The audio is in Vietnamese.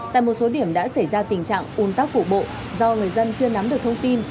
tại một số điểm đã xảy ra tình trạng un tắc cục bộ do người dân chưa nắm được thông tin